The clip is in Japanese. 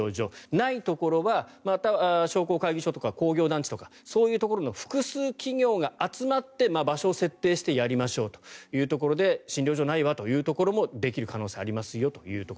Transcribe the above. ないところは商工会議所とか工業団地とかそういうところの複数企業が集まって場所を設定してやりましょうというところで診療所ないわというところもできる可能性がありますよと。